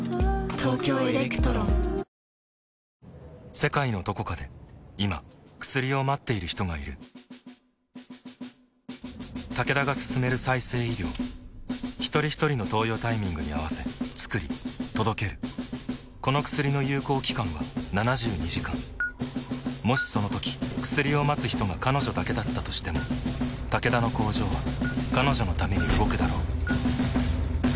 世界のどこかで今薬を待っている人がいるタケダが進める再生医療ひとりひとりの投与タイミングに合わせつくり届けるこの薬の有効期間は７２時間もしそのとき薬を待つ人が彼女だけだったとしてもタケダの工場は彼女のために動くだろう